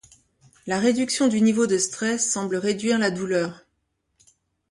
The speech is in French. La réduction du niveau de stress semble réduire la douleur.